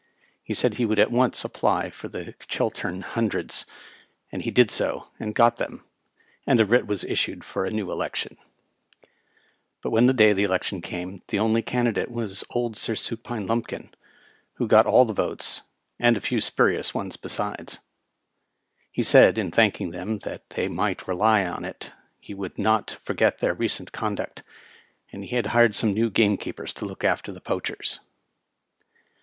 He said he would at once apply for the Ohiltem Hun dreds, and he did so, and got them ; and a writ was issued for a new election. But when the day of the election came, the only can didate was old Sir Supine Lumpkin, who got all the votes, and a few spurious ones besides. He said, in thanking them, that they might rely on it he would not forget their recent conduct, and he had hired some new gamekeepers to look after the poachers.